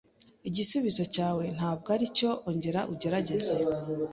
Igisubizo cyawe ntabwo aricyo. Ongera ugerageze.